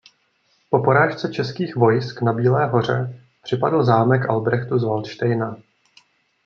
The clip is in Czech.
Po porážce českých vojsk na Bílé hoře připadl zámek Albrechtu z Valdštejna.